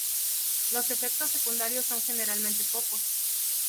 Los efectos secundarios son generalmente pocos.